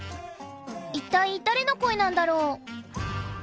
一体誰の声なんだろう？